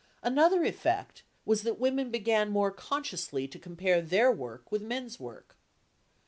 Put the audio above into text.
Another effect was that women began more consciously to compare their work with men's work.